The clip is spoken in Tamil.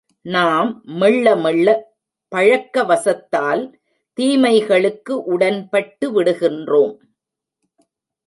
நாம் மெள்ள மெள்ள பழக்க வசத்தால் தீமைகளுக்கு உடன்பட்டுவிடுகின்றோம்.